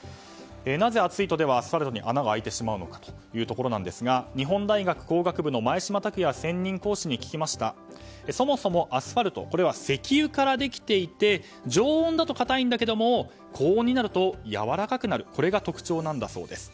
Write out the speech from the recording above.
なぜ暑いとアスファルトに穴が開いてしまうかなんですが日本大学工学部の前島専任講師に聞きますとそもそもアスファルトは石油からできていて常温だと固いんだけれども高温になるとやわらかくなるのが特徴なんだそうです。